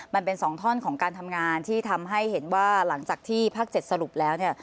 มันเป็น๒ท่อนของการทำงานที่ทำให้เห็นว่าหลังจากที่ภาค๗สรุปแล้วเนี่ย